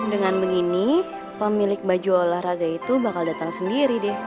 dengan begini pemilik baju olahraga itu bakal datang sendiri deh